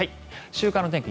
週間の天気